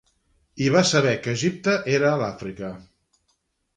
I va saber que Egipte era a l'Àfrica.